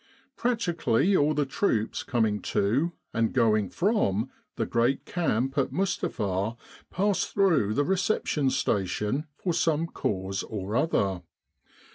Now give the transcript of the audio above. Practically all the troops coming to, and going from, the great camp at Mustapha passed through the Reception Station for some cause or other.